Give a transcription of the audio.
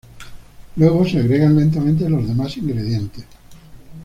Luego se agregan lentamente los demás ingredientes.